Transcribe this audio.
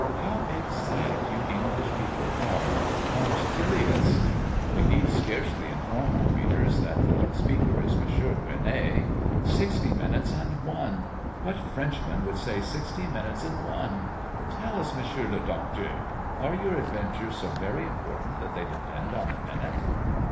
"How exact you English people are punctilious!" We need scarcely inform our readers that the speaker is Mons. Gueronnay. "Sixty minutes and one! What Frenchman would say sixty minutes and one! Tell us, Mons. le Docteur, are your adventures so very important that they depend on the minute?"